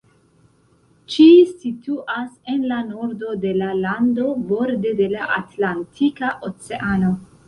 Ĉi situas en la nordo de la lando, borde de la Atlantika Oceano.